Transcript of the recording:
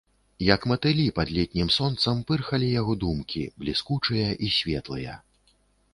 Як матылі пад летнім сонцам, пырхалі яго думкі, бліскучыя і светлыя.